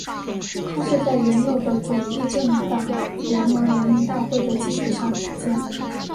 它是在原有的左翼政党联盟人民大会的基础上组建。